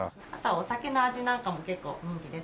お酒の味なんかも結構人気です。